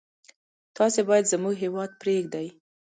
تاسي باید زموږ هیواد پرېږدی.